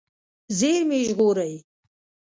زیرمې ژغورئ.